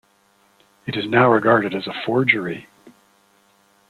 It is now regarded as a forgery.